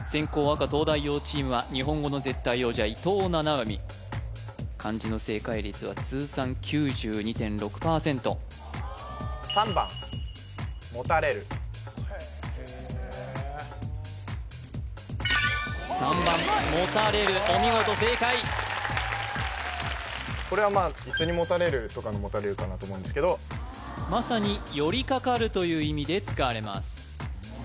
赤東大王チームは日本語の絶対王者伊藤七海３番もたれるお見事正解これはまあ椅子にもたれるとかのもたれるかなと思うんですけどまさに寄りかかるという意味で使われます